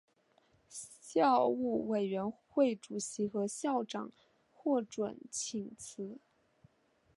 校务委员会主席和校长获准请辞。